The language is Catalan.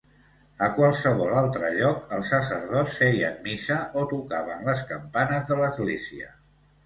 A qualsevol altre lloc, els sacerdots feien missa o tocaven les campanes de l'església.